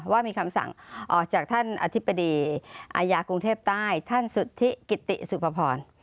ว่ามีคำสั่งออกจากท่านอธิบดีอายากรุงเทพใต้ท่านสุธิกิติสุภพร